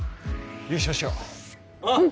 優勝しよううん！